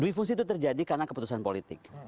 duifungsi itu terjadi karena keputusan politik